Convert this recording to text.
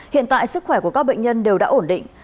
hiện tại sức khỏe của các bệnh nhân đều đã ổn định